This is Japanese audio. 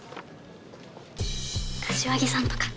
柏木さんとか。